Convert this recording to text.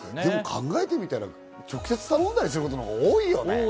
考えてみたら直接頼んだりすることの方が多いね。